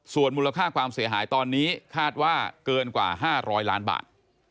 ส่วนมูลค่าความเสียหายตอนนี้คาดว่าเกินกว่า๕๐๐ล้านบาท